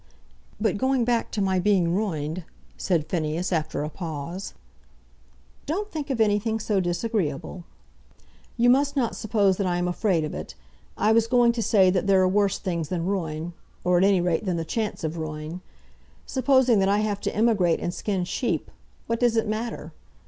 "But going back to my being ruined " said Phineas, after a pause. "Don't think of anything so disagreeable." "You must not suppose that I am afraid of it. I was going to say that there are worse things than ruin, or, at any rate, than the chance of ruin. Supposing that I have to emigrate and skin sheep, what does it matter?